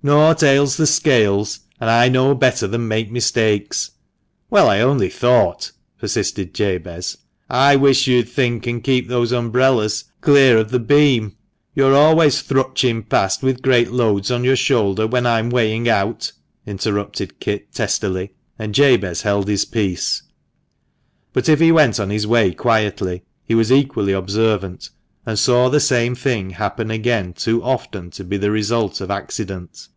Naught ails the scales, and I know better than make mistakes." "Well, I only thought," persisted Jabez. "I wish you'd think and keep those umbrellas clear of tne beam. You're always thrutching past with great loads on your shoulder when I am weighing out," interrupted Kit, testily, and Jabez held his peace. 158 THE MANCHESTER MAN. But if he went on his way quietly, he was equally observant, and saw the same thing happen again too often to be the result of accident.